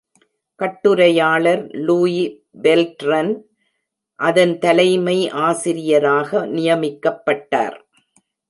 கட்டுரையாளர் Luis Beltran அதன் தலைமை-ஆசிரியராக நியமிக்கப்பட்டார்.